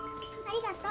ありがと。